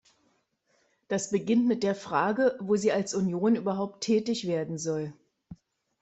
Das beginnt mit der Frage, wo sie als Union überhaupt tätig werden soll.